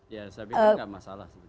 ya saya pikir gak masalah